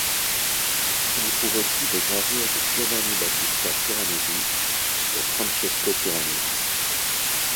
On y trouve aussi des gravures de Giovanni Battista Piranesi et Francesco Piranesi.